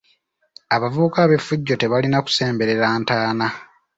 Abavubuka ab’effujjo tebalina kusemberera ntaana.